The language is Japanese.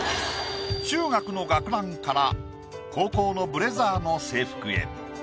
中学の学ランから高校のブレザーの制服へ。